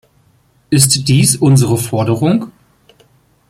Ist dies unsere Forderung?